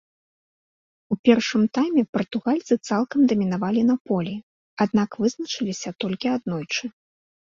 У першым тайме партугальцы цалкам дамінавалі на полі, аднак вызначыліся толькі аднойчы.